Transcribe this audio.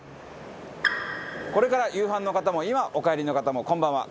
これから夕飯の方も今お帰りの方もこんばんは。